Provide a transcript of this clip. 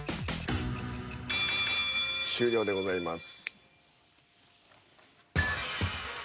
終了でございます。